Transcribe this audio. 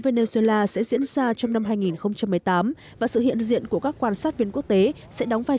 venezuela sẽ diễn ra trong năm hai nghìn một mươi tám và sự hiện diện của các quan sát viên quốc tế sẽ đóng vai